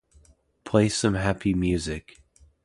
Play some happy music.